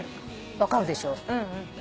分かるでしょ？